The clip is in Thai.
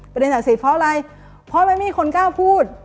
ประเด็นศักดิ์สิทธิ์เพราะอะไรเพราะไม่มีคนกล้าพูด